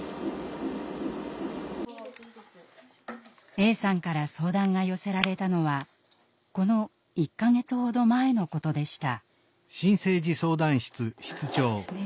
Ａさんから相談が寄せられたのはこの１か月ほど前のことでした。